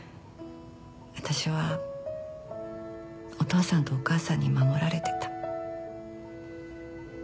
私はお父さんとお母さんに守られてた。